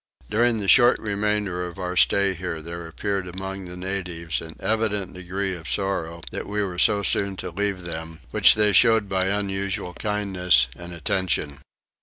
During the short remainder of our stay here there appeared among the natives an evident degree of sorrow that we were so soon to leave them, which they showed by unusual kindness and attention.